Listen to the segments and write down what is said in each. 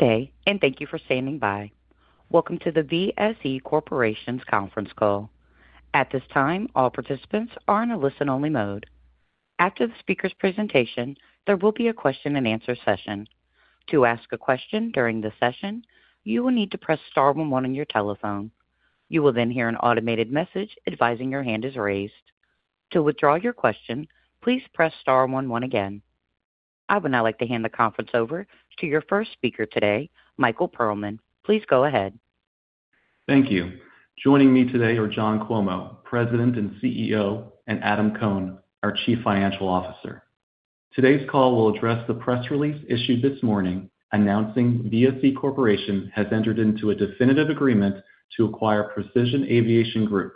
Good day, and thank you for standing by. Welcome to the VSE Corporation's conference call. At this time, all participants are in a listen-only mode. After the speaker's presentation, there will be a question-and-answer session. To ask a question during the session, you will need to press star one on your telephone. You will then hear an automated message advising your hand is raised. To withdraw your question, please press star one again. I would now like to hand the conference over to your first speaker today, Michael Perlman. Please go ahead. Thank you. Joining me today are John Cuomo, President and CEO, and Adam Cohn, our Chief Financial Officer. Today's call will address the press release issued this morning announcing VSE Corporation has entered into a definitive agreement to acquire Precision Aviation Group.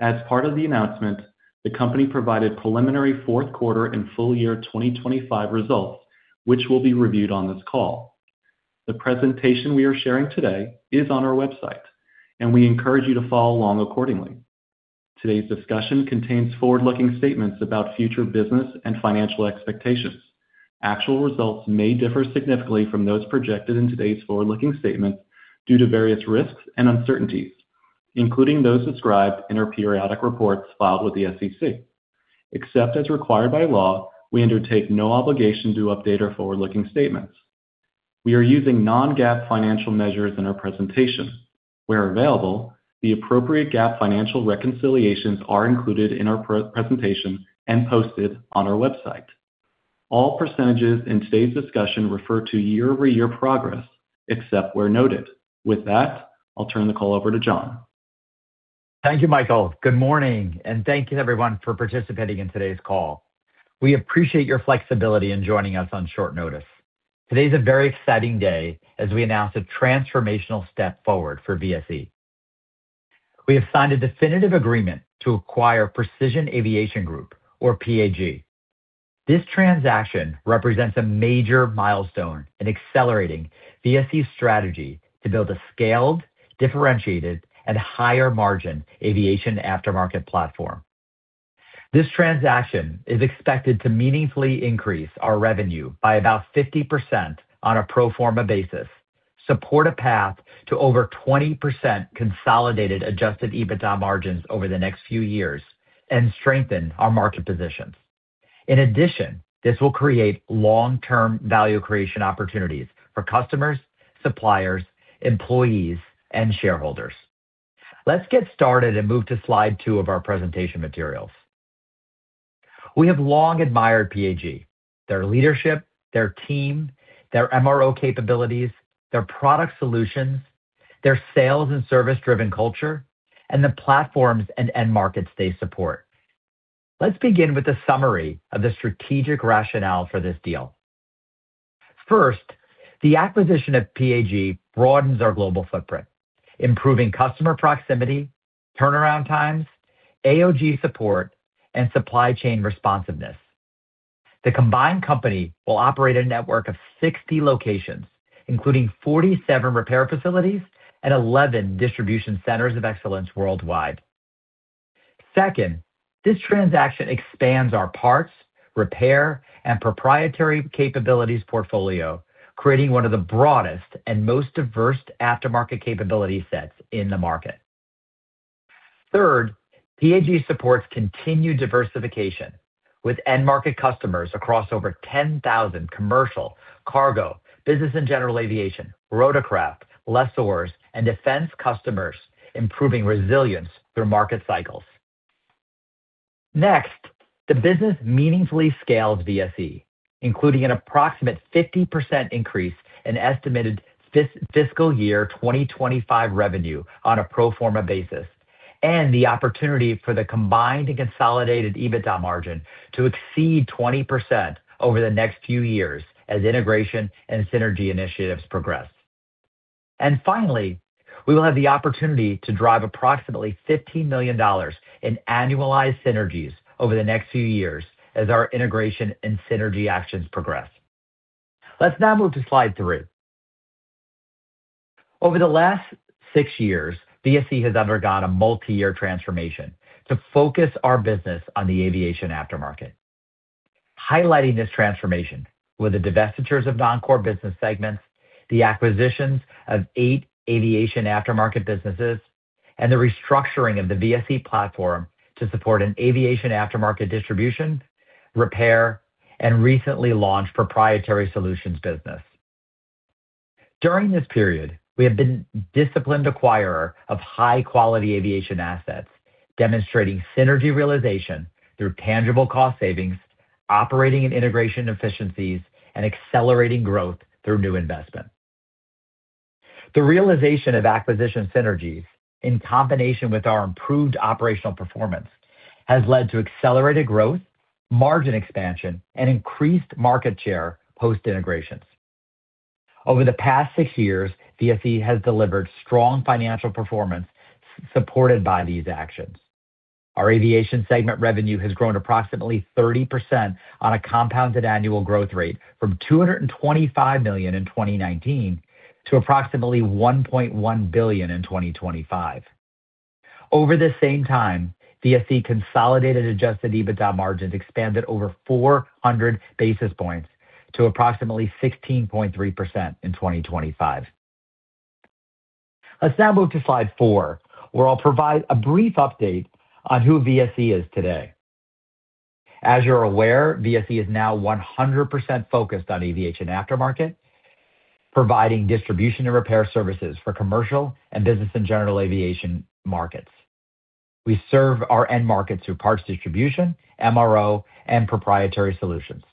As part of the announcement, the company provided preliminary Q4 and full year 2025 results, which will be reviewed on this call. The presentation we are sharing today is on our website, and we encourage you to follow along accordingly. Today's discussion contains forward-looking statements about future business and financial expectations. Actual results may differ significantly from those projected in today's forward-looking statements due to various risks and uncertainties, including those described in our periodic reports filed with the SEC. Except as required by law, we undertake no obligation to update our forward-looking statements. We are using non-GAAP financial measures in our presentation. Where available, the appropriate GAAP financial reconciliations are included in our presentation and posted on our website. All percentages in today's discussion refer to year-over-year progress except where noted. With that, I'll turn the call over to John. Thank you, Michael. Good morning, and thank you, everyone, for participating in today's call. We appreciate your flexibility in joining us on short notice. Today's a very exciting day as we announce a transformational step forward for VSE. We have signed a definitive agreement to acquire Precision Aviation Group, or PAG. This transaction represents a major milestone in accelerating VSE's strategy to build a scaled, differentiated, and higher-margin aviation aftermarket platform. This transaction is expected to meaningfully increase our revenue by about 50% on a pro forma basis, support a path to over 20% consolidated adjusted EBITDA margins over the next few years, and strengthen our market positions. In addition, this will create long-term value creation opportunities for customers, suppliers, employees, and shareholders. Let's get started and move to slide two of our presentation materials. We have long admired PAG, their leadership, their team, their MRO capabilities, their product solutions, their sales and service-driven culture, and the platforms and end markets they support. Let's begin with a summary of the strategic rationale for this deal. First, the acquisition of PAG broadens our global footprint, improving customer proximity, turnaround times, AOG support, and supply chain responsiveness. The combined company will operate a network of 60 locations, including 47 repair facilities and 11 distribution centers of excellence worldwide. Second, this transaction expands our parts, repair, and proprietary capabilities portfolio, creating one of the broadest and most diverse aftermarket capability sets in the market. Third, PAG supports continued diversification with end market customers across over 10,000 commercial, cargo, business, and general aviation, rotorcraft, lessors, and defense customers, improving resilience through market cycles. Next, the business meaningfully scales VSE, including an approximate 50% increase in estimated fiscal year 2025 revenue on a pro forma basis, and the opportunity for the combined and consolidated EBITDA margin to exceed 20% over the next few years as integration and synergy initiatives progress. Finally, we will have the opportunity to drive approximately $15 million in annualized synergies over the next few years as our integration and synergy actions progress. Let's now move to slide three. Over the last six years, VSE has undergone a multi-year transformation to focus our business on the aviation aftermarket. Highlighting this transformation were the divestitures of non-core business segments, the acquisitions of eight aviation aftermarket businesses, and the restructuring of the VSE platform to support an aviation aftermarket distribution, repair, and recently launched proprietary solutions business. During this period, we have been disciplined acquirers of high-quality aviation assets, demonstrating synergy realization through tangible cost savings, operating and integration efficiencies, and accelerating growth through new investment. The realization of acquisition synergies in combination with our improved operational performance has led to accelerated growth, margin expansion, and increased market share post-integrations. Over the past six years, VSE has delivered strong financial performance supported by these actions. Our aviation segment revenue has grown approximately 30% on a compounded annual growth rate from $225 million in 2019 to approximately $1.1 billion in 2025. Over the same time, VSE consolidated adjusted EBITDA margins expanded over 400 basis points to approximately 16.3% in 2025. Let's now move to slide four, where I'll provide a brief update on who VSE is today. As you're aware, VSE is now 100% focused on aviation aftermarket, providing distribution and repair services for commercial and business and general aviation markets. We serve our end markets through parts distribution, MRO, and proprietary solutions.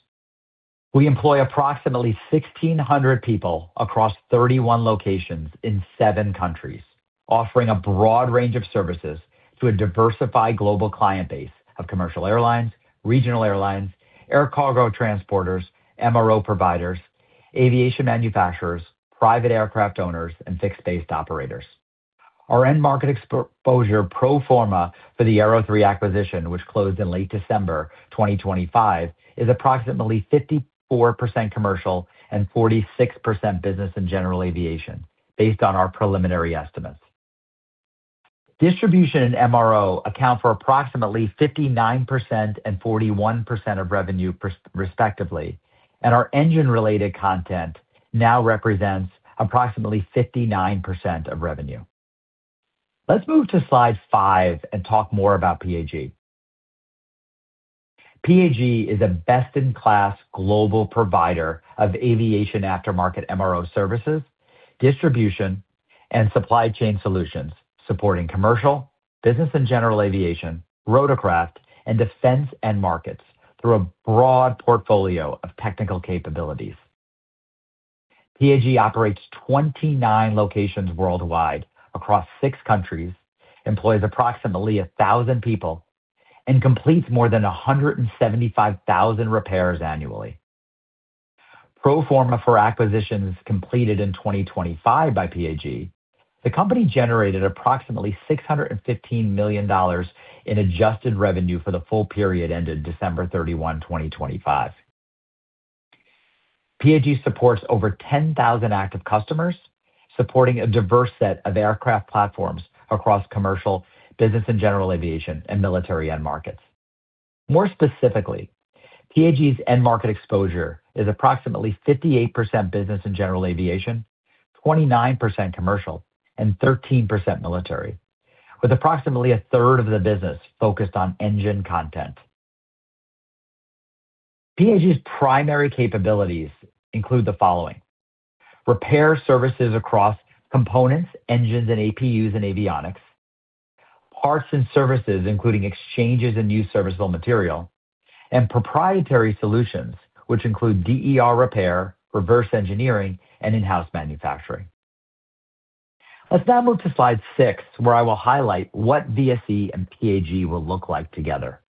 We employ approximately 1,600 people across 31 locations in seven countries, offering a broad range of services to a diversified global client base of commercial airlines, regional airlines, air cargo transporters, MRO providers, aviation manufacturers, private aircraft owners, and fixed-base operators. Our end market exposure pro forma for the Aero3 acquisition, which closed in late December 2025, is approximately 54% commercial and 46% business and general aviation, based on our preliminary estimates. Distribution and MRO account for approximately 59% and 41% of revenue, respectively, and our engine-related content now represents approximately 59% of revenue. Let's move to slide five and talk more about PAG. PAG is a best-in-class global provider of aviation aftermarket MRO services, distribution, and supply chain solutions, supporting commercial, business and general aviation, rotorcraft, and defense end markets through a broad portfolio of technical capabilities. PAG operates 29 locations worldwide across six countries, employs approximately 1,000 people, and completes more than 175,000 repairs annually. Pro forma for acquisitions completed in 2025 by PAG, the company generated approximately $615 million in adjusted revenue for the full period ended December 31, 2025. PAG supports over 10,000 active customers, supporting a diverse set of aircraft platforms across commercial, business and general aviation, and military end markets. More specifically, PAG's end market exposure is approximately 58% business and general aviation, 29% commercial, and 13% military, with approximately a third of the business focused on engine content. PAG's primary capabilities include the following: repair services across components, engines, and APUs and avionics, parts and services, including exchanges and new serviceable material, and proprietary solutions, which include DER repair, reverse engineering, and in-house manufacturing. Let's now move to slide six, where I will highlight what VSE and PAG will look like together.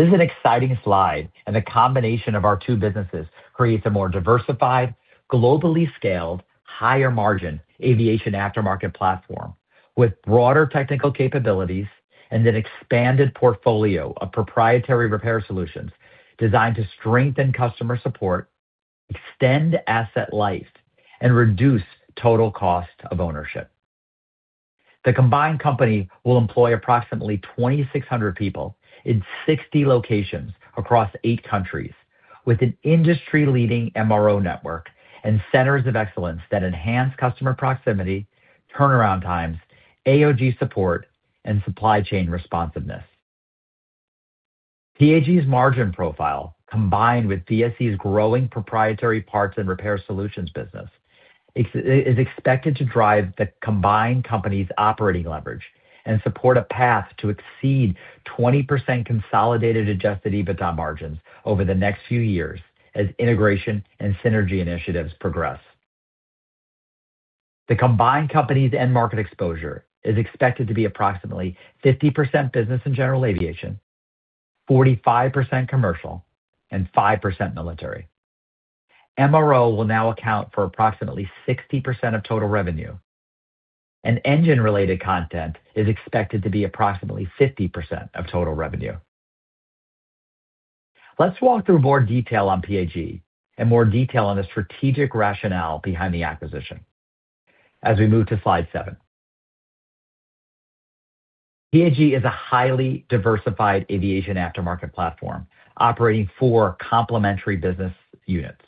This is an exciting slide, and the combination of our two businesses creates a more diversified, globally scaled, higher-margin aviation aftermarket platform with broader technical capabilities and an expanded portfolio of proprietary repair solutions designed to strengthen customer support, extend asset life, and reduce total cost of ownership. The combined company will employ approximately 2,600 people in 60 locations across eight countries, with an industry-leading MRO network and centers of excellence that enhance customer proximity, turnaround times, AOG support, and supply chain responsiveness. PAG's margin profile, combined with VSE's growing proprietary parts and repair solutions business, is expected to drive the combined company's operating leverage and support a path to exceed 20% consolidated adjusted EBITDA margins over the next few years as integration and synergy initiatives progress. The combined company's end market exposure is expected to be approximately 50% business and general aviation, 45% commercial, and 5% military. MRO will now account for approximately 60% of total revenue, and engine-related content is expected to be approximately 50% of total revenue. Let's walk through more detail on PAG and more detail on the strategic rationale behind the acquisition as we move to slide seven. PAG is a highly diversified aviation aftermarket platform operating four complementary business units.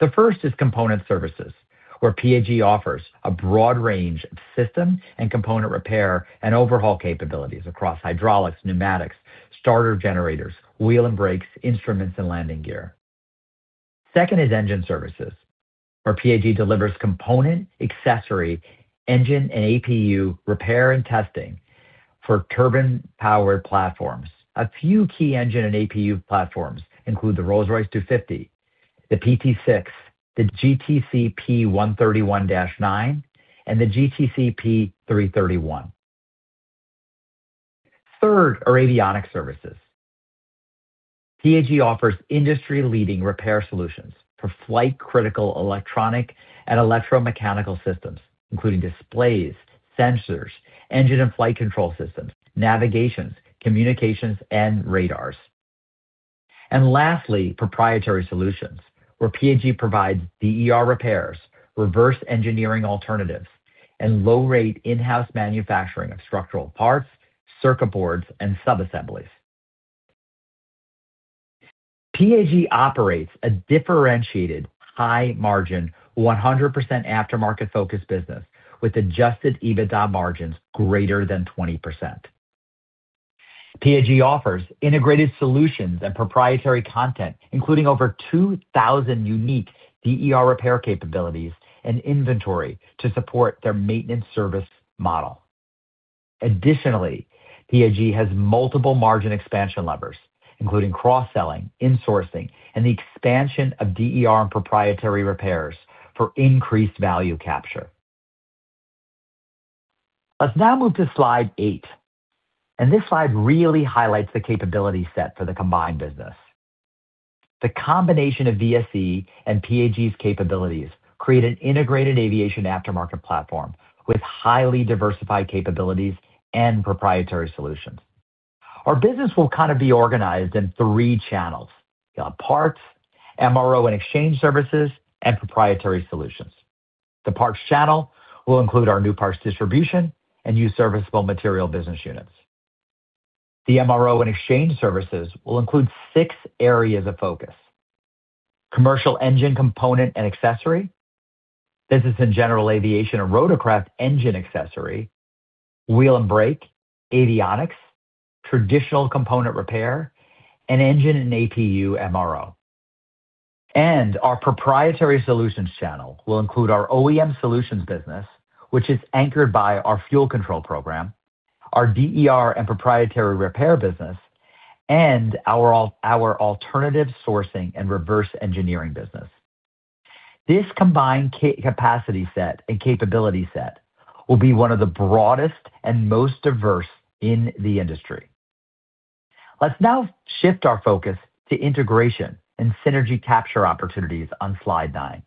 The first is component services, where PAG offers a broad range of system and component repair and overhaul capabilities across hydraulics, pneumatics, starter generators, wheel and brakes, instruments, and landing gear. Second is engine services, where PAG delivers component, accessory, engine, and APU repair and testing for turbine-powered platforms. A few key engine and APU platforms include the Rolls-Royce 250, the PT6, the GTCP131-9, and the GTCP331. Third are avionic services. PAG offers industry-leading repair solutions for flight-critical electronic and electromechanical systems, including displays, sensors, engine and flight control systems, navigations, communications, and radars. And lastly, proprietary solutions, where PAG provides DER repairs, reverse engineering alternatives, and low-rate in-house manufacturing of structural parts, circuit boards, and subassemblies. PAG operates a differentiated, high-margin, 100% aftermarket-focused business with adjusted EBITDA margins greater than 20%. PAG offers integrated solutions and proprietary content, including over 2,000 unique DER repair capabilities and inventory to support their maintenance service model. Additionally, PAG has multiple margin expansion levers, including cross-selling, insourcing, and the expansion of DER and proprietary repairs for increased value capture. Let's now move to slide eight, and this slide really highlights the capability set for the combined business. The combination of VSE and PAG's capabilities creates an integrated aviation aftermarket platform with highly diversified capabilities and proprietary solutions. Our business will kind of be organized in three channels: parts, MRO and exchange services, and proprietary solutions. The parts channel will include our new parts distribution and new serviceable material business units. The MRO and exchange services will include six areas of focus: commercial engine component and accessory, business and general aviation and rotorcraft engine accessory, wheel and brake, avionics, traditional component repair, and engine and APU MRO. Our proprietary solutions channel will include our OEM solutions business, which is anchored by our fuel control program, our DER and proprietary repair business, and our alternative sourcing and reverse engineering business. This combined capacity set and capability set will be one of the broadest and most diverse in the industry. Let's now shift our focus to integration and synergy capture opportunities on slide nine.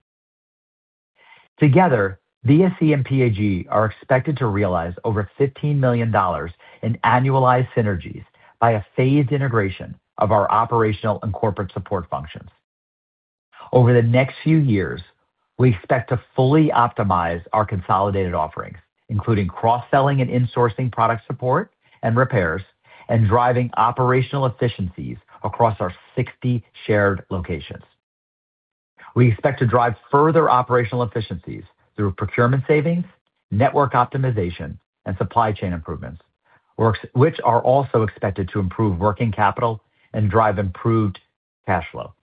Together, VSE and PAG are expected to realize over $15 million in annualized synergies by a phased integration of our operational and corporate support functions. Over the next few years, we expect to fully optimize our consolidated offerings, including cross-selling and insourcing product support and repairs, and driving operational efficiencies across our 60 shared locations. We expect to drive further operational efficiencies through procurement savings, network optimization, and supply chain improvements, which are also expected to improve working capital and drive improved cash flow.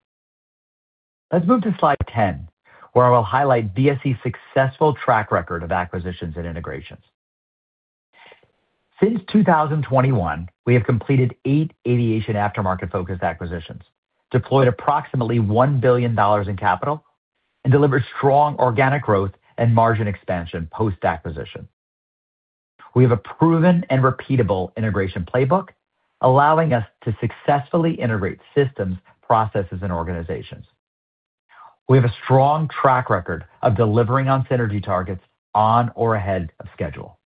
Let's move to slide 10, where I will highlight VSE's successful track record of acquisitions and integrations. Since 2021, we have completed 8 aviation aftermarket-focused acquisitions, deployed approximately $1 billion in capital, and delivered strong organic growth and margin expansion post-acquisition. We have a proven and repeatable integration playbook, allowing us to successfully integrate systems, processes, and organizations. We have a strong track record of delivering on synergy targets on or ahead of schedule.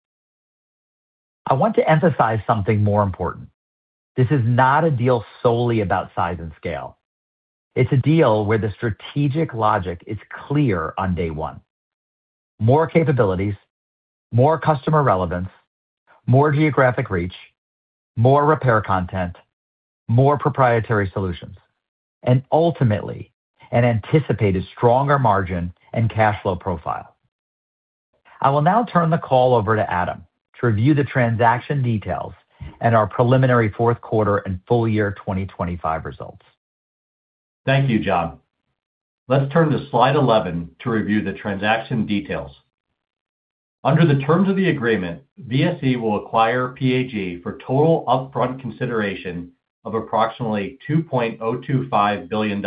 I want to emphasize something more important. This is not a deal solely about size and scale. It's a deal where the strategic logic is clear on day one: more capabilities, more customer relevance, more geographic reach, more repair content, more proprietary solutions, and ultimately, an anticipated stronger margin and cash flow profile. I will now turn the call over to Adam to review the transaction details and our preliminary fourth quarter and full year 2025 results. Thank you, John. Let's turn to slide 11 to review the transaction details. Under the terms of the agreement, VSE will acquire PAG for total upfront consideration of approximately $2.025 billion,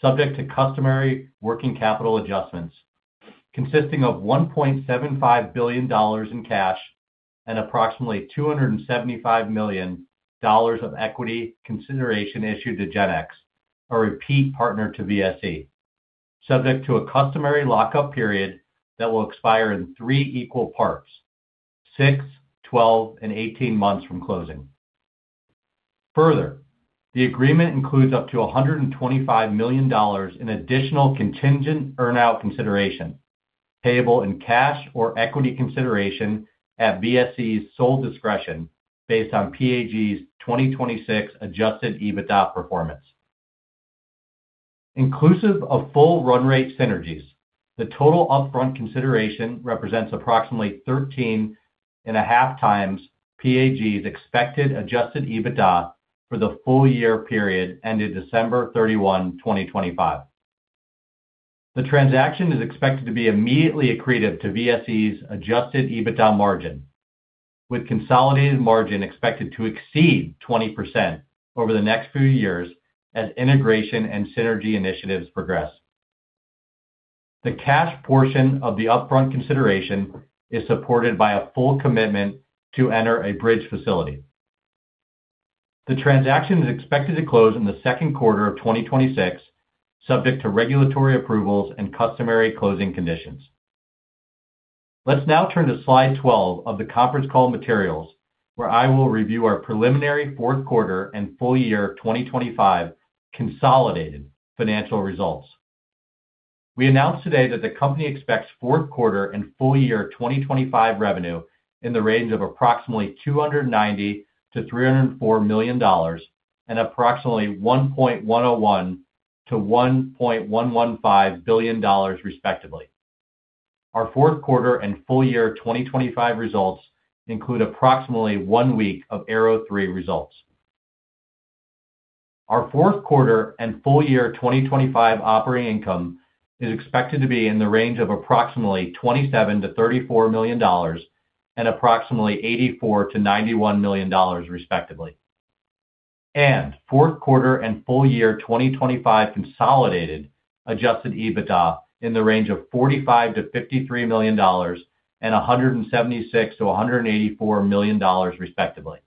subject to customary working capital adjustments, consisting of $1.75 billion in cash and approximately $275 million of equity consideration issued to GenX, a repeat partner to VSE, subject to a customary lockup period that will expire in three equal parts: six, 12, and 18 months from closing. Further, the agreement includes up to $125 million in additional contingent earnout consideration, payable in cash or equity consideration at VSE's sole discretion based on PAG's 2026 adjusted EBITDA performance. Inclusive of full run rate synergies, the total upfront consideration represents approximately 13.5x PAG's expected adjusted EBITDA for the full year period ended December 31, 2025. The transaction is expected to be immediately accretive to VSE's adjusted EBITDA margin, with consolidated margin expected to exceed 20% over the next few years as integration and synergy initiatives progress. The cash portion of the upfront consideration is supported by a full commitment to enter a bridge facility. The transaction is expected to close in the second quarter of 2026, subject to regulatory approvals and customary closing conditions. Let's now turn to slide 12 of the conference call materials, where I will review our preliminary fourth quarter and full year 2025 consolidated financial results. We announced today that the company expects fourth quarter and full year 2025 revenue in the range of approximately $290 million -$304 million and approximately $1.101 million -$1.115 billion, respectively. Our fourth quarter and full year 2025 results include approximately one week of Aero3 results. Our fourth quarter and full year 2025 operating income is expected to be in the range of approximately $27 million -$34 million and approximately $84 million -$91 million, respectively. Q4 and full year 2025 consolidated Adjusted EBITDA in the range of $45 million -$53 million and $176 million -$184 million, respectively.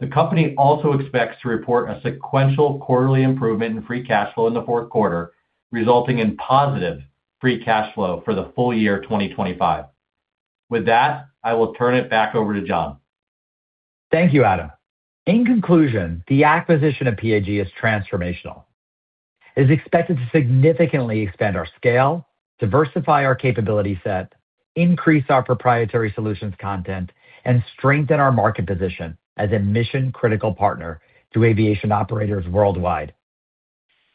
The company also expects to report a sequential quarterly improvement in free cash flow in the Q4, resulting in positive free cash flow for the full year 2025. With that, I will turn it back over to John. Thank you, Adam. In conclusion, the acquisition of PAG is transformational. It is expected to significantly expand our scale, diversify our capability set, increase our proprietary solutions content, and strengthen our market position as a mission-critical partner to aviation operators worldwide.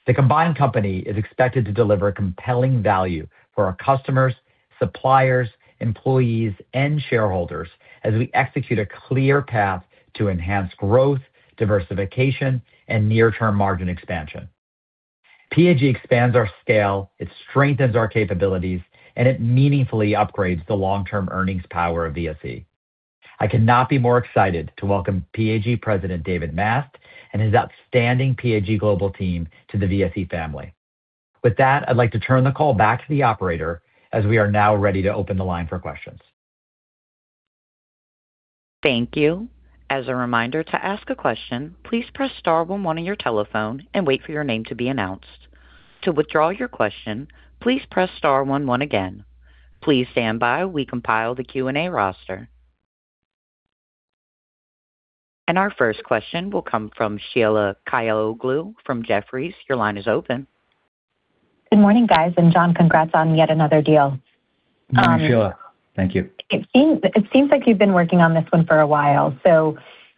The combined company is expected to deliver compelling value for our customers, suppliers, employees, and shareholders as we execute a clear path to enhance growth, diversification, and near-term margin expansion. PAG expands our scale, it strengthens our capabilities, and it meaningfully upgrades the long-term earnings power of VSE. I cannot be more excited to welcome PAG President David Mast and his outstanding PAG Global team to the VSE family. With that, I'd like to turn the call back to the operator as we are now ready to open the line for questions. Thank you. As a reminder to ask a question, please press star one on your telephone and wait for your name to be announced. To withdraw your question, please press star one again. Please stand by while we compile the Q&A roster. And our first question will come from Sheila Kahyaoglu from Jefferies. Your line is open. Good morning, guys. And John, congrats on yet another deal. Good morning, Sheila. Thank you. It seems like you've been working on this one for a while. So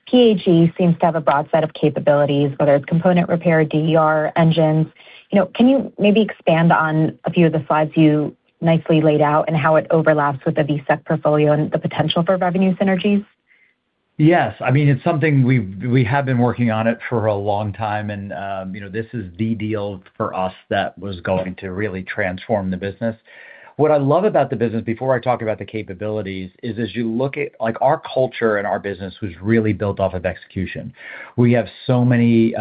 PAG seems to have a broad set of capabilities, whether it's component repair, DER, engines. Can you maybe expand on a few of the slides you nicely laid out and how it overlaps with the VSE portfolio and the potential for revenue synergies? Yes. I mean, it's something we have been working on for a long time, and this is the deal for us that was going to really transform the business. What I love about the business, before I talk about the capabilities, is as you look at our culture and our business was really built off of execution. We have so many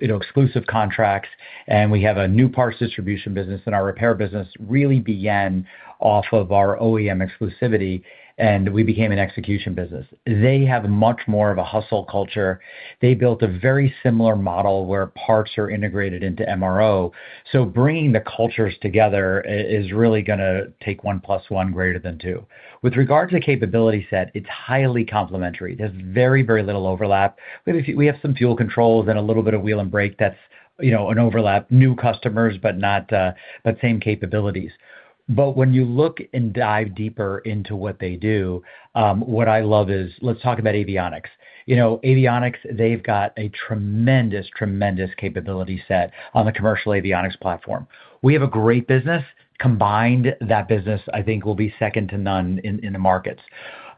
exclusive contracts, and we have a new parts distribution business, and our repair business really began off of our OEM exclusivity, and we became an execution business. They have much more of a hustle culture. They built a very similar model where parts are integrated into MRO. So, bringing the cultures together is really going to take one plus one greater than two. With regards to capability set, it's highly complementary. There's very, very little overlap. We have some fuel controls and a little bit of wheel and brake that's an overlap, new customers, but same capabilities. But when you look and dive deeper into what they do, what I love is let's talk about avionics. Avionics, they've got a tremendous, tremendous capability set on the commercial avionics platform. We have a great business. Combined, that business, I think, will be second to none in the markets.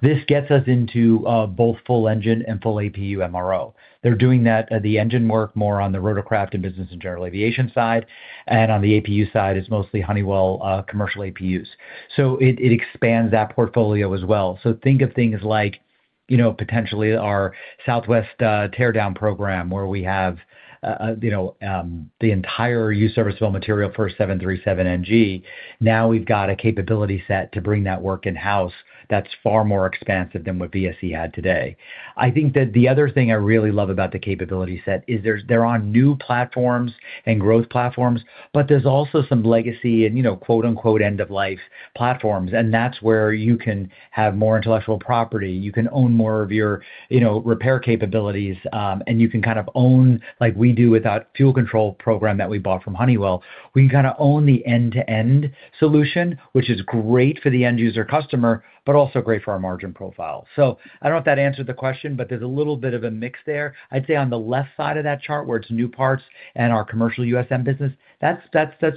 This gets us into both full engine and full APU MRO. They're doing the engine work more on the rotorcraft and business and general aviation side, and on the APU side, it's mostly Honeywell commercial APUs. So it expands that portfolio as well. So think of things like potentially our Southwest teardown program, where we have the entire used serviceable material for a 737NG. Now we've got a capability set to bring that work in-house that's far more expansive than what VSE had today. I think that the other thing I really love about the capability set is they're on new platforms and growth platforms, but there's also some legacy and "end-of-life" platforms, and that's where you can have more intellectual property. You can own more of your repair capabilities, and you can kind of own like we do with that fuel control program that we bought from Honeywell. We can kind of own the end-to-end solution, which is great for the end-user customer, but also great for our margin profile. So I don't know if that answered the question, but there's a little bit of a mix there. I'd say on the left side of that chart, where it's new parts and our commercial USM business, that's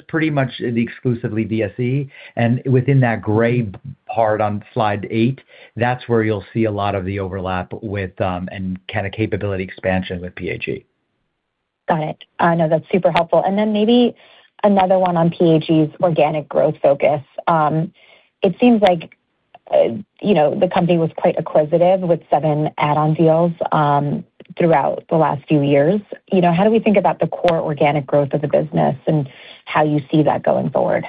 pretty much exclusively VSE. And within that gray part on slide eight, that's where you'll see a lot of the overlap and kind of capability expansion with PAG. Got it. I know that's super helpful. And then maybe another one on PAG's organic growth focus. It seems like the company was quite acquisitive with seven add-on deals throughout the last few years. How do we think about the core organic growth of the business and how you see that going forward?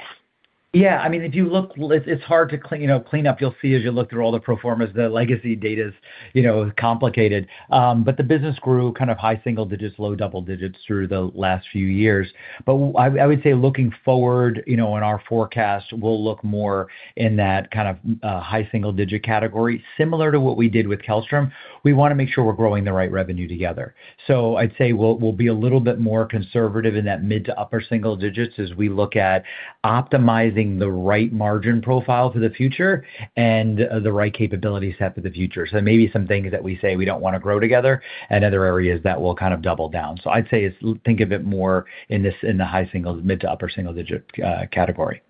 Yeah. I mean, if you look, it's hard to clean up. You'll see as you look through all the pro forma, the legacy data is complicated. But the business grew kind of high single digits, low double digits through the last few years. But I would say looking forward in our forecast, we'll look more in that kind of high single digit category. Similar to what we did with Kellstrom, we want to make sure we're growing the right revenue together. So I'd say we'll be a little bit more conservative in that mid to upper single digits as we look at optimizing the right margin profile for the future and the right capability set for the future. So maybe some things that we say we don't want to grow together and other areas that will kind of double down. So I'd say think of it more in the high single mid to upper single digit category.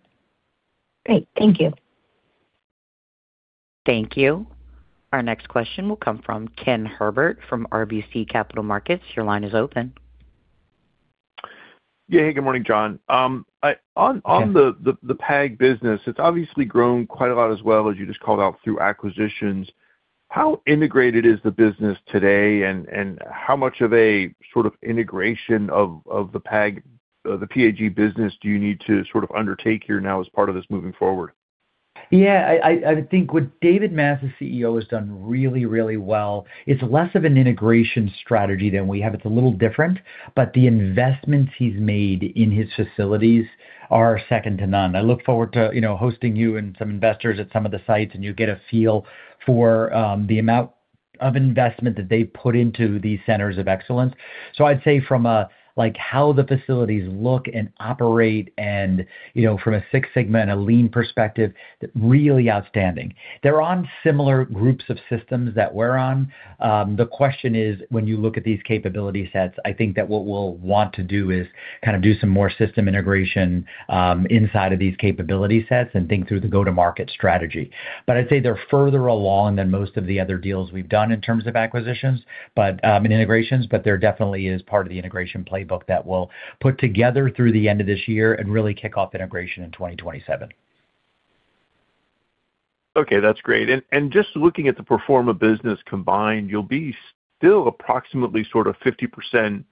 Great. Thank you. Thank you. Our next question will come from Ken Herbert from RBC Capital Markets. Your line is open. Yeah. Hey, good morning, John. On the PAG business, it's obviously grown quite a lot as well, as you just called out, through acquisitions. How integrated is the business today, and how much of a sort of integration of the PAG business do you need to sort of undertake here now as part of this moving forward? Yeah. I think what David Mast, the CEO, has done really, really well. It's less of an integration strategy than we have. It's a little different, but the investments he's made in his facilities are second to none. I look forward to hosting you and some investors at some of the sites, and you'll get a feel for the amount of investment that they've put into these centers of excellence. So I'd say from how the facilities look and operate and from a Six Sigma and a Lean perspective, really outstanding. They're on similar groups of systems that we're on. The question is, when you look at these capability sets, I think that what we'll want to do is kind of do some more system integration inside of these capability sets and think through the go-to-market strategy. But I'd say they're further along than most of the other deals we've done in terms of acquisitions and integrations, but they're definitely part of the integration playbook that we'll put together through the end of this year and really kick off integration in 2027. Okay. That's great. And just looking at the pro forma business combined, you'll be still approximately sort of 50%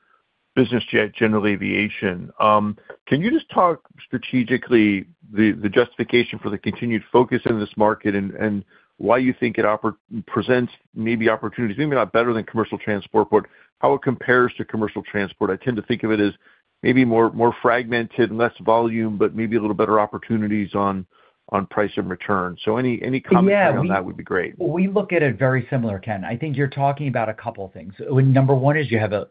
business jet general aviation. Can you just talk strategically the justification for the continued focus in this market and why you think it presents maybe opportunities, maybe not better than commercial transport, but how it compares to commercial transport? I tend to think of it as maybe more fragmented, less volume, but maybe a little better opportunities on price and return. So any commentary on that would be great. Yeah. We look at it very similar, Ken. I think you're talking about a couple of things. Number one is you have a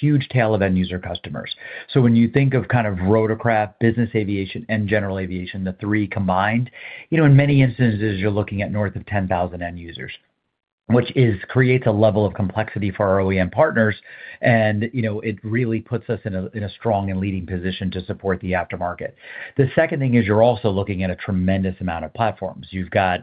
huge tail of end-user customers. So when you think of kind of rotorcraft, business aviation, and general aviation, the three combined, in many instances, you're looking at north of 10,000 end users, which creates a level of complexity for our OEM partners, and it really puts us in a strong and leading position to support the aftermarket. The second thing is you're also looking at a tremendous amount of platforms. You've got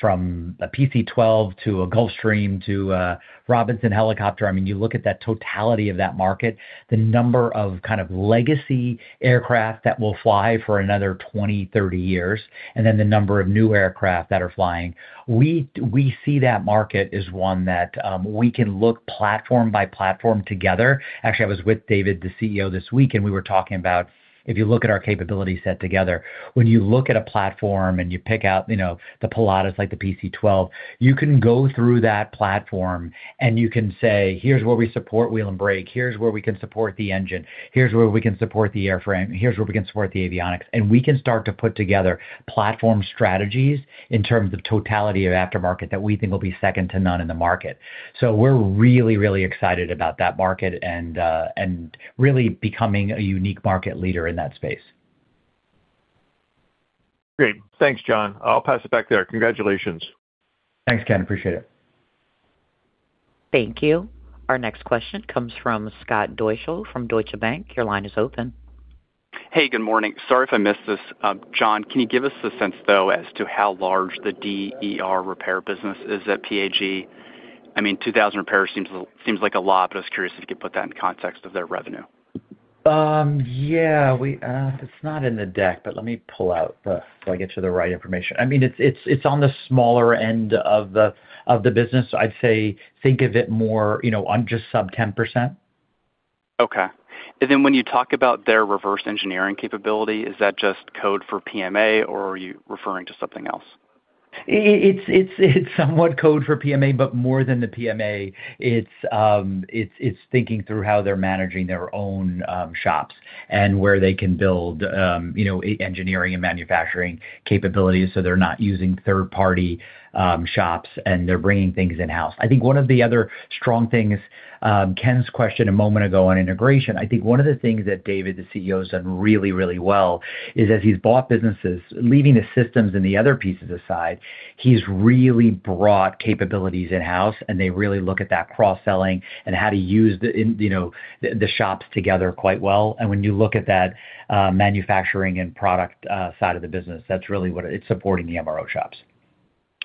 from a PC-12 to a Gulfstream to a Robinson Helicopter. I mean, you look at that totality of that market, the number of kind of legacy aircraft that will fly for another 20, 30 years, and then the number of new aircraft that are flying. We see that market as one that we can look platform by platform together. Actually, I was with David, the CEO, this week, and we were talking about if you look at our capability set together, when you look at a platform and you pick out the Pilatus like the PC-12, you can go through that platform and you can say, here's where we support wheel and brake. Here's where we can support the engine. Here's where we can support the airframe. Here's where we can support the avionics. And we can start to put together platform strategies in terms of totality of aftermarket that we think will be second to none in the market. So we're really, really excited about that market and really becoming a unique market leader in that space. Great. Thanks, John. I'll pass it back there. Congratulations. Thanks, Ken. Appreciate it. Thank you. Our next question comes from Scott Deuschle from Deutsche Bank. Your line is open. Hey, good morning. Sorry if I missed this. John, can you give us a sense, though, as to how large the DER repair business is at PAG? I mean, 2,000 repairs seems like a lot, but I was curious if you could put that in context of their revenue. Yeah. It's not in the deck, but let me pull out the so I get you the right information. I mean, it's on the smaller end of the business. I'd say think of it more on just sub 10%. Okay. And then when you talk about their reverse engineering capability, is that just code for PMA, or are you referring to something else? It's somewhat code for PMA, but more than the PMA. It's thinking through how they're managing their own shops and where they can build engineering and manufacturing capabilities so they're not using third-party shops and they're bringing things in-house. I think one of the other strong things, Ken's question a moment ago on integration, I think one of the things that David, the CEO, has done really, really well is as he's bought businesses, leaving the systems and the other pieces aside, he's really brought capabilities in-house, and they really look at that cross-selling and how to use the shops together quite well. And when you look at that manufacturing and product side of the business, that's really what it's supporting the MRO shops.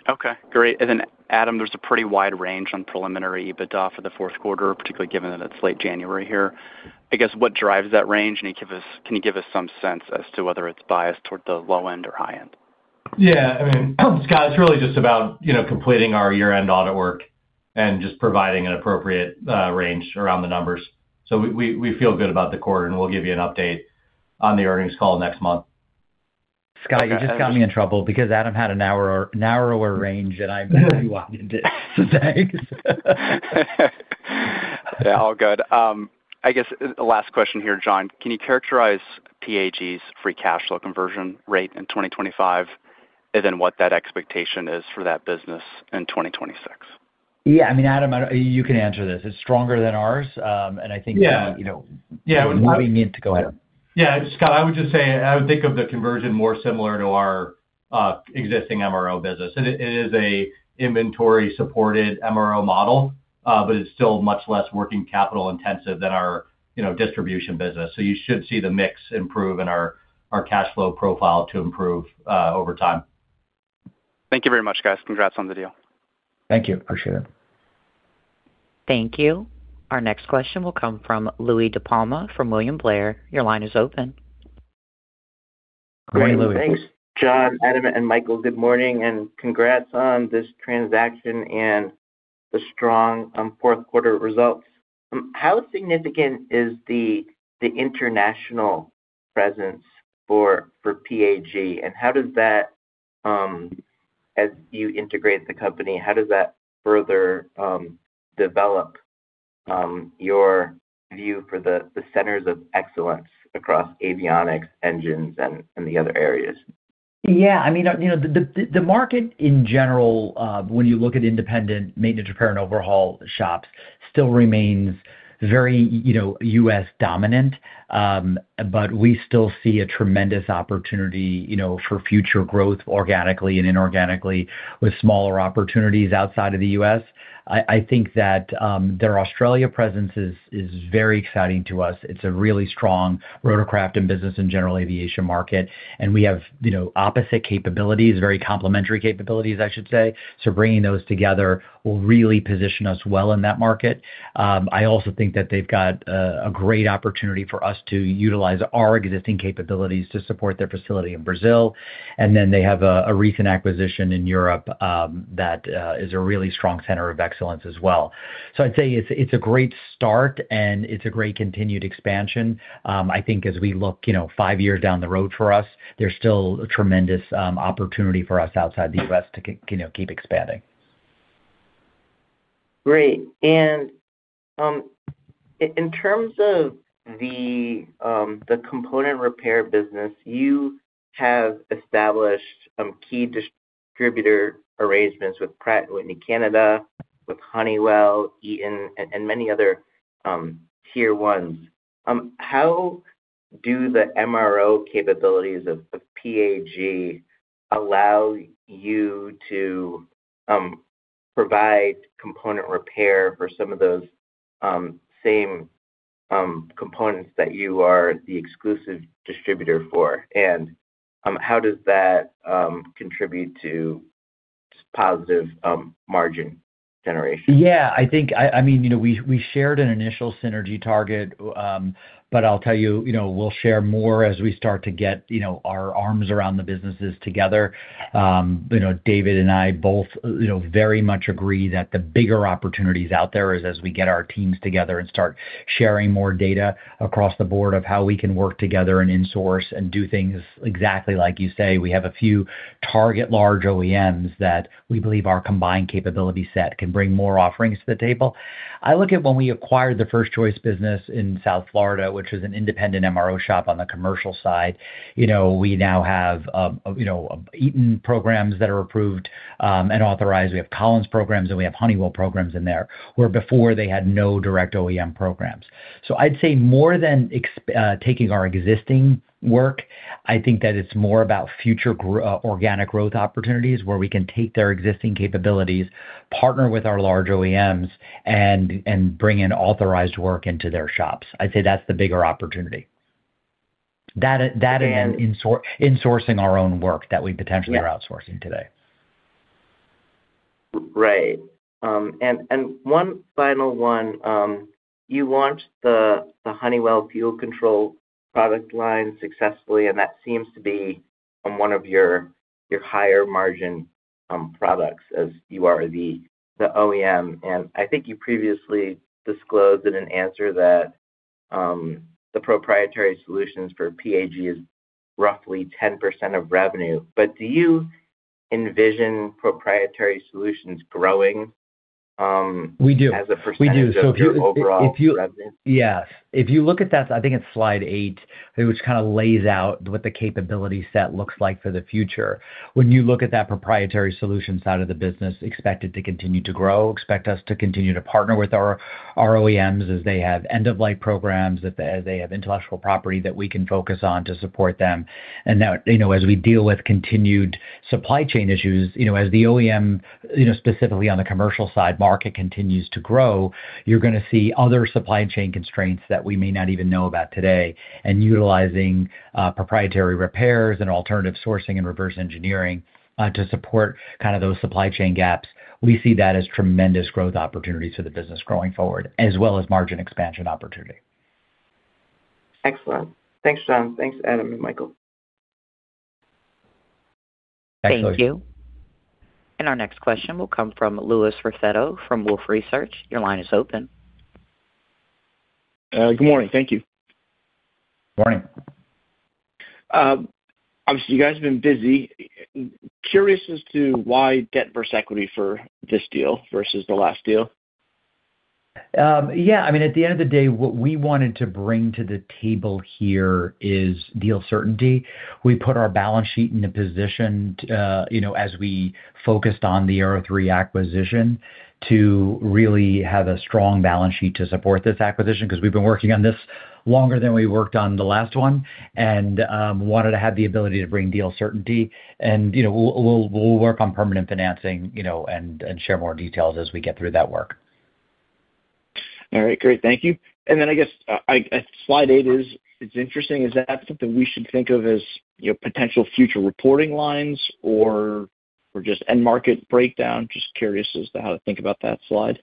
Okay. Great. And then, Adam, there's a pretty wide range on preliminary EBITDA for the Q4, particularly given that it's late January here. I guess what drives that range? And can you give us some sense as to whether it's biased toward the low end or high end? Yeah. I mean, Scott, it's really just about completing our year-end audit work and just providing an appropriate range around the numbers. So we feel good about the quarter, and we'll give you an update on the earnings call next month. Scott, you just got me in trouble because Adam had a narrower range, and I wanted it. So thanks. Yeah. All good. I guess last question here, John. Can you characterize PAG's free cash flow conversion rate in 2025 and then what that expectation is for that business in 2026? Yeah. I mean, Adam, you can answer this. It's stronger than ours. I think. Yeah. Yeah. It wouldn't be mean to go ahead. Yeah. Scott, I would just say I would think of the conversion more similar to our existing MRO business. It is an inventory-supported MRO model, but it's still much less working capital intensive than our distribution business. So you should see the mix improve and our cash flow profile to improve over time. Thank you very much, guys. Congrats on the deal. Thank you. Appreciate it. Thank you. Our next question will come from Louis DiPalma from William Blair. Your line is open. Great. Thanks, John, Adam, and Michael. Good morning, and congrats on this transaction and the strong fourth-quarter results. How significant is the international presence for PAG? And how does that, as you integrate the company, how does that further develop your view for the centers of excellence across avionics, engines, and the other areas? Yeah. I mean, the market in general, when you look at independent maintenance repair and overhaul shops, still remains very U.S. dominant, but we still see a tremendous opportunity for future growth organically and inorganically with smaller opportunities outside of the U.S. I think that their Australia presence is very exciting to us. It's a really strong rotorcraft and business and general aviation market, and we have opposite capabilities, very complementary capabilities, I should say. So bringing those together will really position us well in that market. I also think that they've got a great opportunity for us to utilize our existing capabilities to support their facility in Brazil. And then they have a recent acquisition in Europe that is a really strong center of excellence as well. So I'd say it's a great start, and it's a great continued expansion. I think as we look five years down the road for us, there's still a tremendous opportunity for us outside the U.S. to keep expanding. Great. And in terms of the component repair business, you have established key distributor arrangements with Pratt & Whitney Canada, with Honeywell, Eaton, and many other tier ones. How do the MRO capabilities of PAG allow you to provide component repair for some of those same components that you are the exclusive distributor for? And how does that contribute to positive margin generation? Yeah. I mean, we shared an initial synergy target, but I'll tell you, we'll share more as we start to get our arms around the businesses together. David and I both very much agree that the bigger opportunities out there is as we get our teams together and start sharing more data across the board of how we can work together and insource and do things exactly like you say. We have a few target large OEMs that we believe our combined capability set can bring more offerings to the table. I look at when we acquired the first choice business in South Florida, which was an independent MRO shop on the commercial side. We now have Eaton programs that are approved and authorized. We have Collins programs, and we have Honeywell programs in there, where before they had no direct OEM programs. So I'd say more than taking our existing work, I think that it's more about future organic growth opportunities where we can take their existing capabilities, partner with our large OEMs, and bring in authorized work into their shops. I'd say that's the bigger opportunity. That and insourcing our own work that we potentially are outsourcing today. Right. And one final one. You launched the Honeywell fuel control product line successfully, and that seems to be one of your higher margin products as you are the OEM. And I think you previously disclosed in an answer that the proprietary solutions for PAG is roughly 10% of revenue. But do you envision proprietary solutions growing as a percentage of your overall revenue? We do. Yes. If you look at that, I think it's slide eight, which kind of lays out what the capability set looks like for the future. When you look at that proprietary solution side of the business, expect it to continue to grow, expect us to continue to partner with our OEMs as they have end-of-life programs, as they have intellectual property that we can focus on to support them. And as we deal with continued supply chain issues, as the OEM, specifically on the commercial side, market continues to grow, you're going to see other supply chain constraints that we may not even know about today. And utilizing proprietary repairs and alternative sourcing and reverse engineering to support kind of those supply chain gaps, we see that as tremendous growth opportunities for the business going forward, as well as margin expansion opportunity. Excellent.Thanks, John. Thanks, Adam and Michael. Thank you. And our next question will come from Louis Raffetto from Wolfe Research. Your line is open. Good morning. Thank you. Morning. Obviously, you guys have been busy. Curious as to why debt versus equity for this deal versus the last deal. Yeah. I mean, at the end of the day, what we wanted to bring to the table here is deal certainty. We put our balance sheet in a position, as we focused on the Kellstrom reacquisition, to really have a strong balance sheet to support this acquisition because we've been working on this longer than we worked on the last one and wanted to have the ability to bring deal certainty. And we'll work on permanent financing and share more details as we get through that work. All right. Great. Thank you. And then I guess slide eight is interesting. Is that something we should think of as potential future reporting lines or just end-market breakdown? Just curious as to how to think about that slide.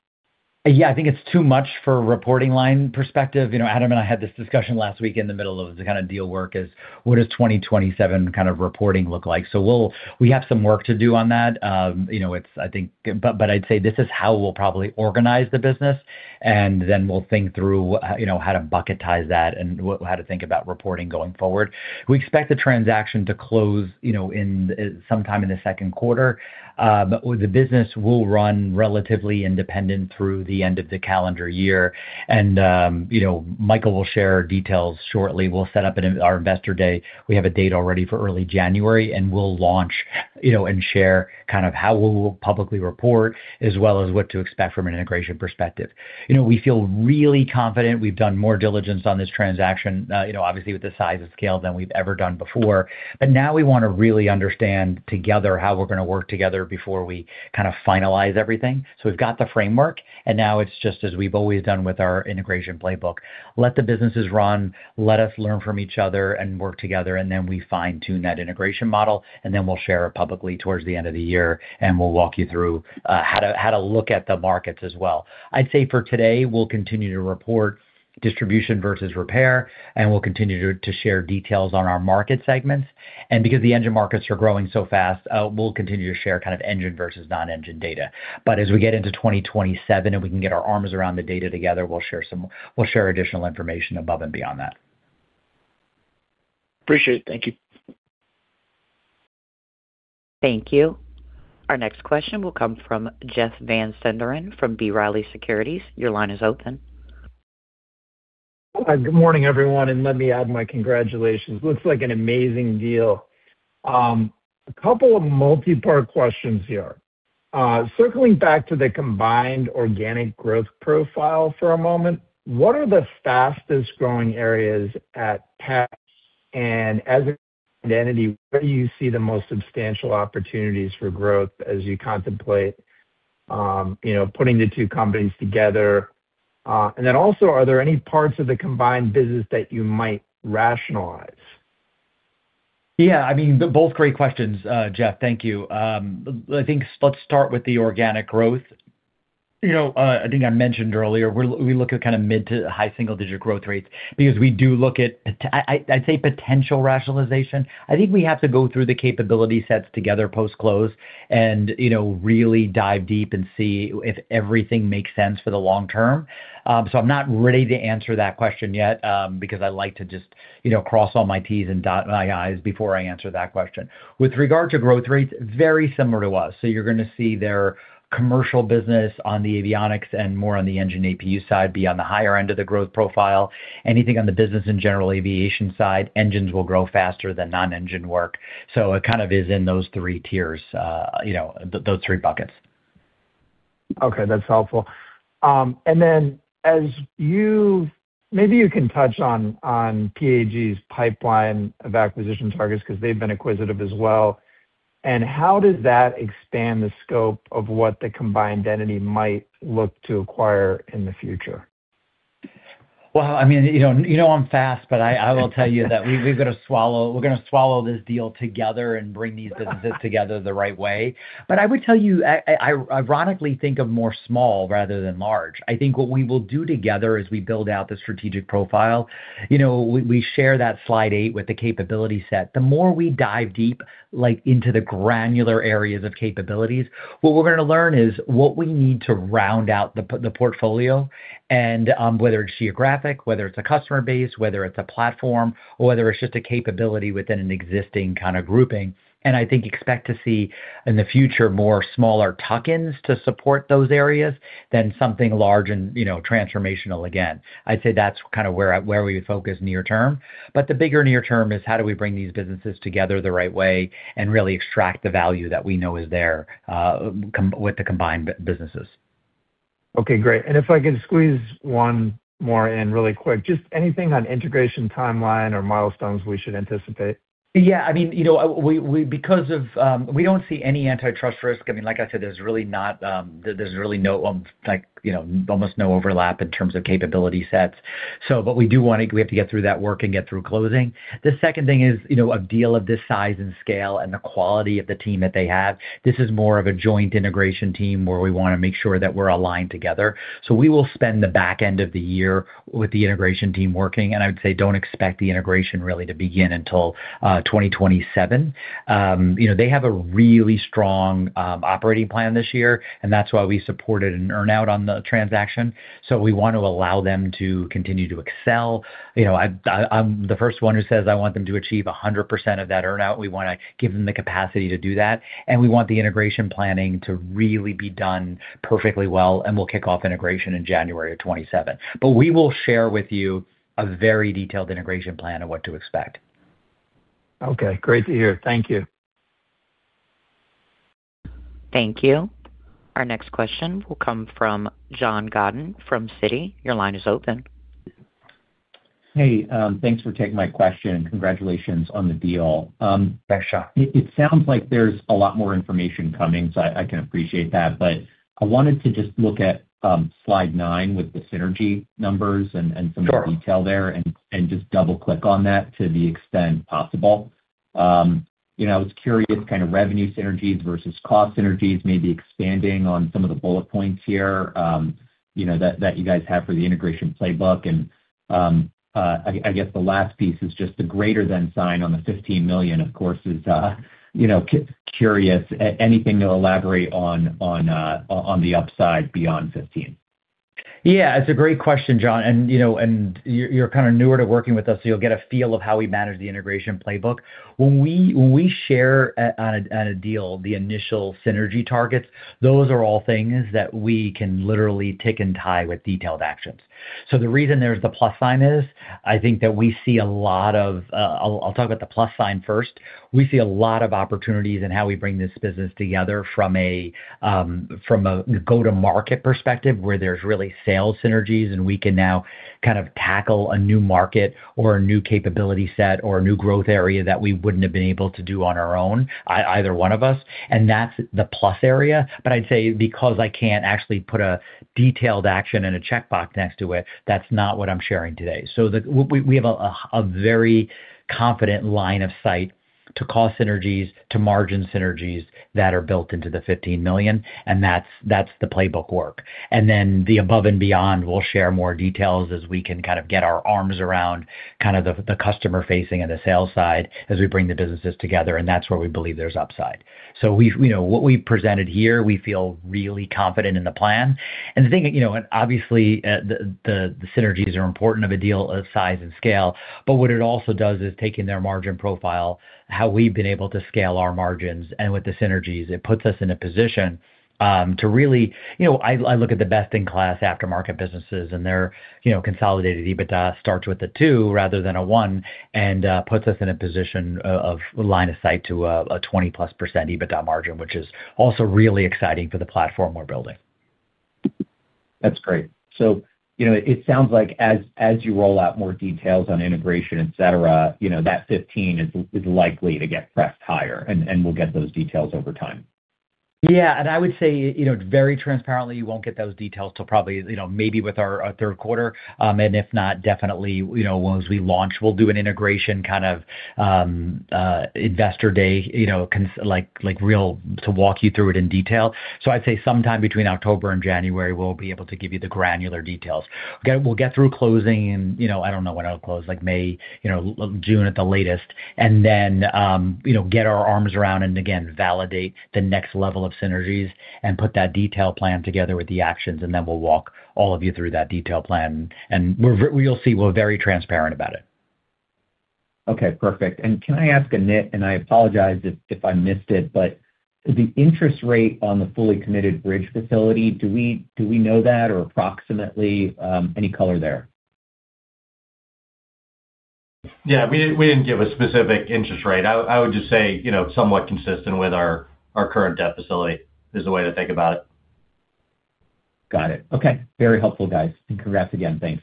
Yeah. I think it's too much for a reporting line perspective. Adam and I had this discussion last week in the middle of the kind of deal werk as what does 2027 kind of reporting look like? So we have some work to do on that, I think. But I'd say this is how we'll probably organize the business, and then we'll think through how to bucketize that and how to think about reporting going forward. We expect the transaction to close sometime in the second quarter. The business will run relatively independent through the end of the calendar year. And Michael will share details shortly. We'll set up our investor day. We have a date already for early January, and we'll launch and share kind of how we'll publicly report as well as what to expect from an integration perspective. We feel really confident. We've done more diligence on this transaction, obviously, with the size of scale than we've ever done before. But now we want to really understand together how we're going to work together before we kind of finalize everything. So we've got the framework, and now it's just as we've always done with our integration playbook. Let the businesses run. Let us learn from each other and work together. And then we fine-tune that integration model, and then we'll share it publicly towards the end of the year, and we'll walk you through how to look at the markets as well. I'd say for today, we'll continue to report distribution versus repair, and we'll continue to share details on our market segments. And because the engine markets are growing so fast, we'll continue to share kind of engine versus non-engine data. But as we get into 2027 and we can get our arms around the data together, we'll share additional information above and beyond that. Appreciate it. Thank you. Thank you. Our next question will come from Jeff Van Sinderen from B. Riley Securities. Your line is open. Good morning, everyone. And let me add my congratulations. Looks like an amazing deal. A couple of multi-part questions here. Circling back to the combined organic growth profile for a moment, what are the fastest growing areas at PAG? And as an entity, where do you see the most substantial opportunities for growth as you contemplate putting the two companies together? And then also, are there any parts of the combined business that you might rationalize? Yeah. I mean, both great questions, Jeff. Thank you. I think let's start with the organic growth. I think I mentioned earlier, we look at kind of mid to high single-digit growth rates because we do look at, I'd say, potential rationalization. I think we have to go through the capability sets together post-close and really dive deep and see if everything makes sense for the long term. So I'm not ready to answer that question yet because I like to just cross all my T's and dot my I's before I answer that question. With regard to growth rates, very similar to us. So you're going to see their commercial business on the avionics and more on the engine APU side be on the higher end of the growth profile. Anything on the business and general aviation side, engines will grow faster than non-engine work. So it kind of is in those three tiers, those three buckets. Okay. That's helpful. And then maybe you can touch on PAG's pipeline of acquisition targets because they've been acquisitive as well. And how does that expand the scope of what the combined entity might look to acquire in the future? Well, I mean, you know I'm fast, but I will tell you that we're going to swallow this deal together and bring these businesses together the right way. But I would tell you, ironically, think of more small rather than large. I think what we will do together as we build out the strategic profile, we share that slide eight with the capability set. The more we dive deep into the granular areas of capabilities, what we're going to learn is what we need to round out the portfolio and whether it's geographic, whether it's a customer base, whether it's a platform, or whether it's just a capability within an existing kind of grouping. And I think expect to see in the future more smaller tuck-ins to support those areas than something large and transformational again. I'd say that's kind of where we would focus near term. But the bigger near term is how do we bring these businesses together the right way and really extract the value that we know is there with the combined businesses. Okay. Great. And if I can squeeze one more in really quick, just anything on integration timeline or milestones we should anticipate? Yeah. I mean, because we don't see any antitrust risk. I mean, like I said, there's really almost no overlap in terms of capability sets. But we do want to have to get through that work and get through closing. The second thing is a deal of this size and scale and the quality of the team that they have. This is more of a joint integration team where we want to make sure that we're aligned together. So we will spend the back end of the year with the integration team working. And I would say don't expect the integration really to begin until 2027. They have a really strong operating plan this year, and that's why we supported an earnout on the transaction. So we want to allow them to continue to excel. I'm the first one who says I want them to achieve 100% of that earnout. We want to give them the capacity to do that. And we want the integration planning to really be done perfectly well, and we'll kick off integration in January of 2027. But we will share with you a very detailed integration plan and what to expect. Okay. Great to hear. Thank you. Thank you. Our next question will come from John Godin from Citi. Your line is open. Hey, thanks for taking my question and congratulations on the deal. It sounds like there's a lot more information coming, so I can appreciate that. But I wanted to just look at slide nine with the synergy numbers and some detail there and just double-click on that to the extent possible. I was curious kind of revenue synergies versus cost synergies, maybe expanding on some of the bullet points here that you guys have for the integration playbook. I guess the last piece is just the greater-than sign on the $15 million, of course, is curious. Anything to elaborate on the upside beyond 15? Yeah. It's a great question, John. You're kind of newer to working with us, so you'll get a feel of how we manage the integration playbook. When we share on a deal the initial synergy targets, those are all things that we can literally tick and tie with detailed actions. So the reason there's the plus sign is I think that we see a lot of. I'll talk about the plus sign first. We see a lot of opportunities in how we bring this business together from a go-to-market perspective where there's really sales synergies, and we can now kind of tackle a new market or a new capability set or a new growth area that we wouldn't have been able to do on our own, either one of us. And that's the plus area. But I'd say because I can't actually put a detailed action and a checkbox next to it, that's not what I'm sharing today. So we have a very confident line of sight to cost synergies, to margin synergies that are built into the $15 million. And that's the playbook work. And then the above and beyond, we'll share more details as we can kind of get our arms around kind of the customer-facing and the sales side as we bring the businesses together. That's where we believe there's upside. So what we've presented here, we feel really confident in the plan. The thing obviously, the synergies are important of a deal of size and scale. But what it also does is taking their margin profile, how we've been able to scale our margins, and with the synergies, it puts us in a position to really I look at the best-in-class aftermarket businesses, and their consolidated EBITDA starts with a two rather than a one and puts us in a position of line of sight to a +20% EBITDA margin, which is also really exciting for the platform we're building. That's great. So it sounds like as you roll out more details on integration, etc., that 15 is likely to get pressed higher, and we'll get those details over time. Yeah. I would say very transparently, you won't get those details till probably maybe with our third quarter. If not, definitely, once we launch, we'll do an integration kind of investor day to walk you through it in detail. So I'd say sometime between October and January, we'll be able to give you the granular details. We'll get through closing in, I don't know when it'll close, like May, June at the latest, and then get our arms around and, again, validate the next level of synergies and put that detail plan together with the actions. Then we'll walk all of you through that detail plan. You'll see we're very transparent about it. Okay. Perfect. Can I ask a nit? I apologize if I missed it, but the interest rate on the fully committed bridge facility, do we know that or approximately any color there? Yeah. We didn't give a specific interest rate. I would just say somewhat consistent with our current debt facility is the way to think about it. Got it. Okay. Very helpful, guys. And congrats again. Thanks.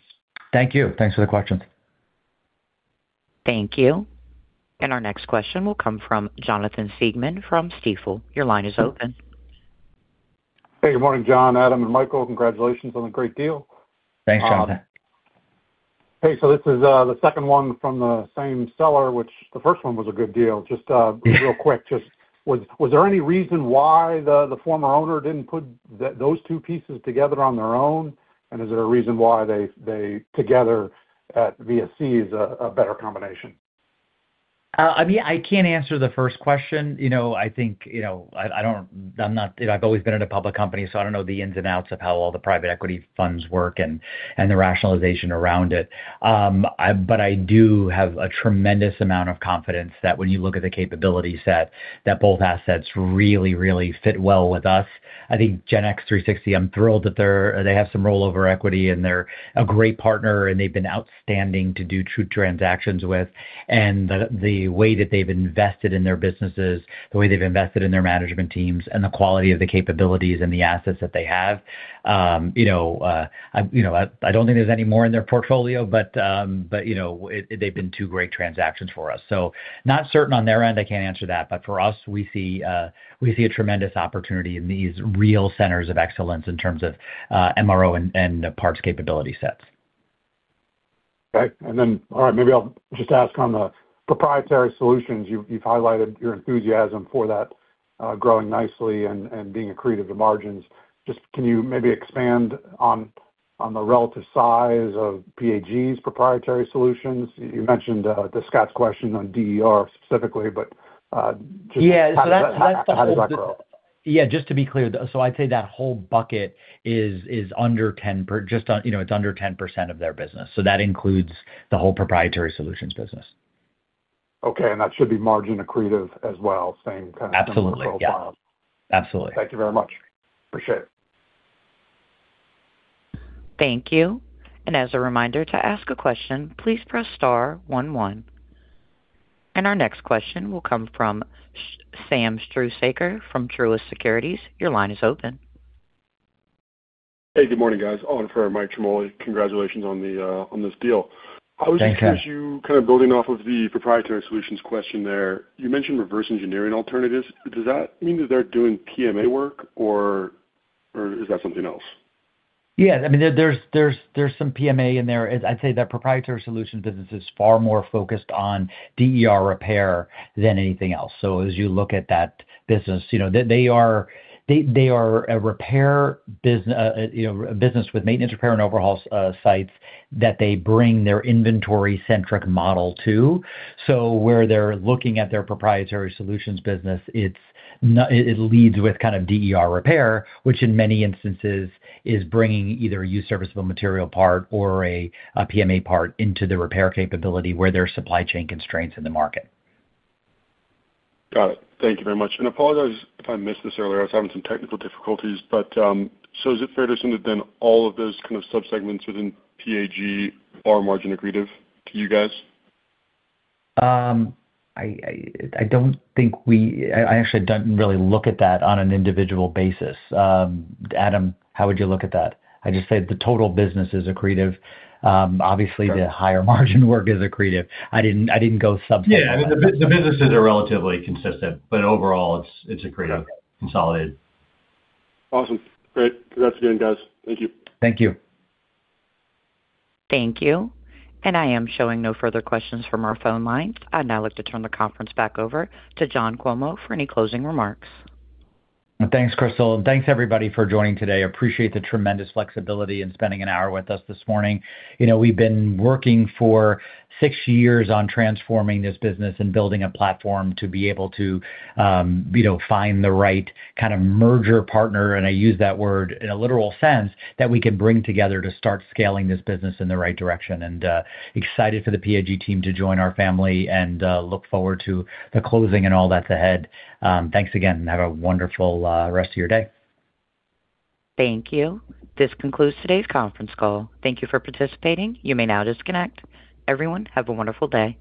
Thank you. Thanks for the questions. Thank you. And our next question will come from Jonathan Siegmann from Stifel. Your line is open. Hey, good morning, John, Adam, and Michael. Congratulations on a great deal. Thanks, Jonathan. Hey, so this is the second one from the same seller, which the first one was a good deal. Just real quick, was there any reason why the former owner didn't put those two pieces together on their own? And is there a reason why they together at VSE is a better combination? I mean, I can't answer the first question. I think I've always been in a public company, so I don't know the ins and outs of how all the private equity funds work and the rationalization around it. But I do have a tremendous amount of confidence that when you look at the capability set, that both assets really, really fit well with us. I think GenNx360, I'm thrilled that they have some rollover equity, and they're a great partner, and they've been outstanding to do transactions with. And the way that they've invested in their businesses, the way they've invested in their management teams, and the quality of the capabilities and the assets that they have, I don't think there's any more in their portfolio, but they've been two great transactions for us. So not certain on their end. I can't answer that. But for us, we see a tremendous opportunity in these real centers of excellence in terms of MRO and parts capability sets. Okay. And then, all right, maybe I'll just ask on the proprietary solutions. You've highlighted your enthusiasm for that growing nicely and being accretive to margins. Just can you maybe expand on the relative size of PAG's proprietary solutions? You mentioned the Scott's question on DER specifically, but just how does that grow? Yeah. Just to be clear, so I'd say that whole bucket is under 10 just it's under 10% of their business. So that includes the whole proprietary solutions business. Okay. And that should be margin accretive as well, same kind of profile. Absolutely. Thank you very much. Appreciate it. Thank you. And as a reminder to ask a question, please press star one. And our next question will come from Sam Struhsaker from Truist Securities. Your line is open. Hey, good morning, guys. on for, Mike Ciarmoli. Congratulations on this deal. I was just curious. Thanks, John. As you kind of building off of the proprietary solutions question there, you mentioned reverse engineering alternatives. Does that mean that they're doing PMA work, or is that something else? Yeah. I mean, there's some PMA in there. I'd say that proprietary solution business is far more focused on DER repair than anything else. So as you look at that business, they are a repair business with maintenance, repair, and overhaul sites that they bring their inventory-centric model to. So where they're looking at their proprietary solutions business, it leads with kind of DER repair, which in many instances is bringing either a used serviceable material part or a PMA part into the repair capability where there are supply chain constraints in the market. Got it. Thank you very much. Apologize if I missed this earlier. I was having some technical difficulties. But so is it fair to assume that then all of those kind of subsegments within PAG are margin accretive to you guys? I don't think I actually didn't really look at that on an individual basis. Adam, how would you look at that? I just say the total business is accretive. Obviously, the higher margin work is accretive. I didn't go subsegment. Yeah. The businesses are relatively consistent, but overall, it's accretive, consolidated. Awesome. Great. Congrats again, guys. Thank you. Thank you. Thank you. I am showing no further questions from our phone lines. I'd like to turn the conference back over to John Cuomo for any closing remarks. Thanks, Crystal. Thanks, everybody, for joining today. I appreciate the tremendous flexibility in spending an hour with us this morning. We've been working for six years on transforming this business and building a platform to be able to find the right kind of merger partner, and I use that word in a literal sense, that we can bring together to start scaling this business in the right direction. Excited for the PAG team to join our family and look forward to the closing and all that's ahead. Thanks again, and have a wonderful rest of your day. Thank you. This concludes today's conference call. Thank you for participating. You may now disconnect. Everyone, have a wonderful day.